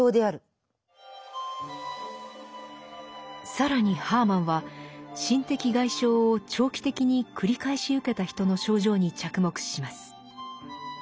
更にハーマンは心的外傷を長期的に繰り返し受けた人の症状に着目します。